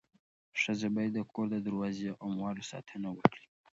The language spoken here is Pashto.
ښځه باید د کور د دروازې او اموالو ساتنه وکړي.